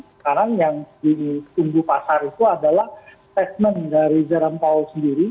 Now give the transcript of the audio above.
sekarang yang ditunggu pasar itu adalah statement dari jerome paul sendiri